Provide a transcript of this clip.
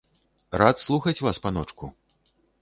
Рад слухаць вас, паночку.